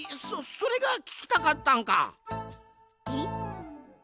そそれがききたかったんか。